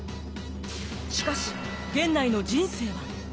しかし源内の人生は。